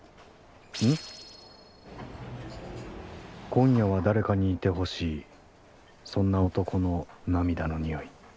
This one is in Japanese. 今夜は誰かにいてほしいそんな男の涙の匂い。